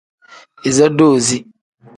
Iza doozi.